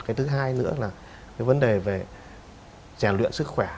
cái thứ hai nữa là cái vấn đề về rèn luyện sức khỏe